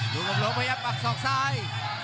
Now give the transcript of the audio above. ลูกกำลวงมัยะปักห์สอกซ้าย